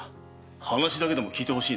話だけでも聞いてほしい。